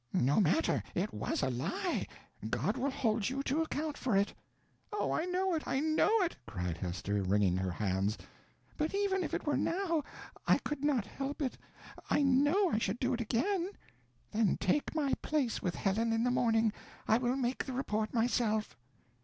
"No matter. It was a lie. God will hold you to account for it." "Oh, I know it, I know it," cried Hester, wringing her hands, "but even if it were now, I could not help it. I know I should do it again." "Then take my place with Helen in the morning. I will make the report myself."